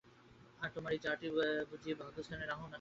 আর তোমার এই জা-টি বুঝি ভাগ্যস্থানের রাহু না কেতু।